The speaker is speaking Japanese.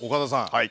はい。